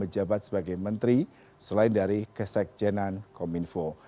menjabat sebagai menteri selain dari kesekjenan kominfo